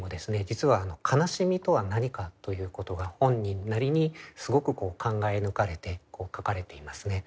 実は「悲しみとは何か」ということが本人なりにすごく考え抜かれて書かれていますね。